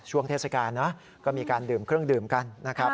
ช่วงเทศกาลนะก็มีการดื่มเครื่องดื่มกันนะครับ